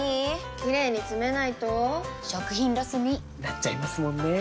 キレイにつめないと食品ロスに．．．なっちゃいますもんねー！